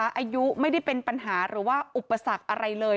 อายุไม่ได้เป็นปัญหาหรือว่าอุปสรรคอะไรเลย